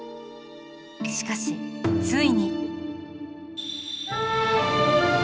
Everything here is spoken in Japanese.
しかしついに